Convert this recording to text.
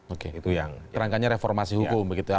oke kerangkanya reformasi hukum begitu ya